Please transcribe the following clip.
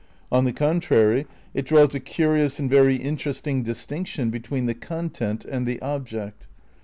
On the contrary, it draws a curious and very interesting distinction between the content and the object.